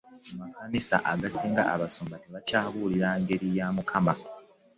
mu makanisa agasinga abasumba tebakyabuulira ngiri ya mukama.